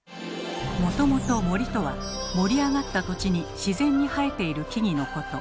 もともと「森」とは盛り上がった土地に自然に生えている木々のこと。